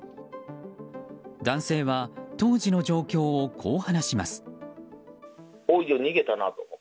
男性は当時の状況をこう話します。